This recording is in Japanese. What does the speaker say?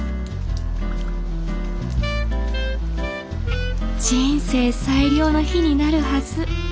心の声人生最良の日になるはず。